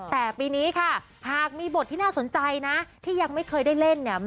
แต่ปีนี้ค่ะหากมีบทที่น่าสนใจนะที่ยังไม่เคยได้เล่นเนี่ย